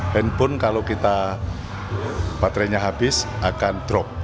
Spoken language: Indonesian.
handphone kalau kita baterainya habis akan drop